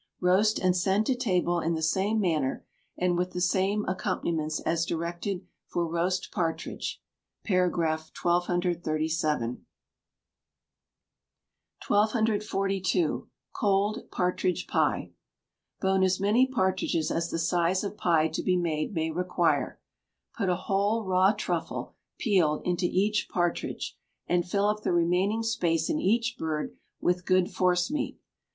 Roast and send to table in the same manner, and with the same accompaniments as directed for Roast Partridge (par. 1237.) 1242. Cold Partridge Pie. Bone as many partridges as the size of pie to be made may require. Put a whole raw truffle, peeled, into each partridge, and fill up the remaining space in each bird with good forcemeat.